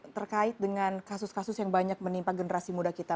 terkait dengan kasus kasus yang banyak menimpa generasi muda kita